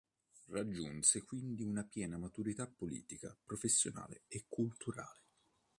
Raggiunse quindi una piena maturità politica, professionale e culturale.